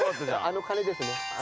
あの鐘ですね。